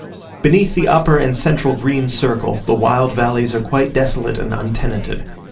Beneath the upper and central green circle, the wild valleys are quite desolate and untenanted.